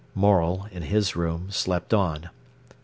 Morel, in his room, slept on.